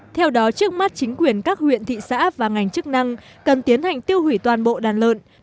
theo đó trước mắt chính quyền các huyện thị xã và ngành chức năng cần tiến hành tiêu hủy toàn bộ đàn lợn